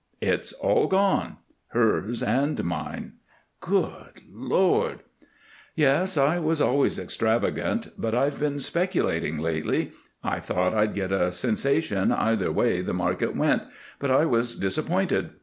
"It's all gone hers and mine." "Good Lord!" "Yes. I was always extravagant, but I've been speculating lately. I thought I'd get a sensation either way the market went, but I was disappointed.